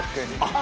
あ